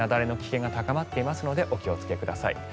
雪崩の危険が高まっていますのでお気をつけください。